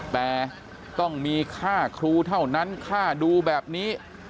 แต่ต้องมีค่าครูเท่านั้นค่าดูแบบนี้